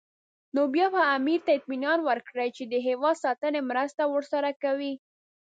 نو بیا به امیر ته اطمینان ورکړي چې د هېواد ساتنې مرسته ورسره کوي.